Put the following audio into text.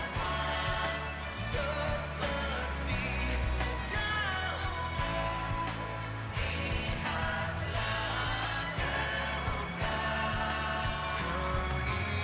walaupun banyak negeri ku jalani